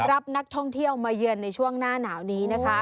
รับนักท่องเที่ยวมาเยือนในช่วงหน้าหนาวนี้นะคะ